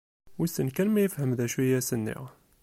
Wissen kan ma yefhem d acu i as-nniɣ?